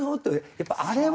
やっぱあれは。